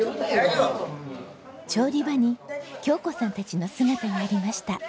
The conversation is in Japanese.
調理場に京子さんたちの姿がありました。